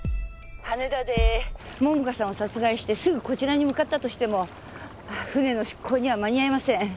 羽田で桃花さんを殺害してすぐこちらに向かったとしても船の出航には間に合いません。